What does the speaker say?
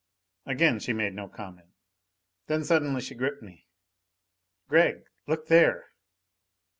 Again she made no comment. Then suddenly she gripped me. "Gregg, look there!"